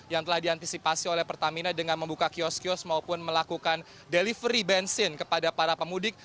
yang telah diantisipasi oleh pertamina dengan membuka kios kios maupun melakukan delivery bensin kepada para pemudik